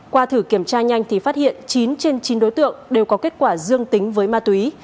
qua thử kiểm tra nhanh thì phát hiện chín trên chín đối tượng đều có kết quả dương tính với ma túy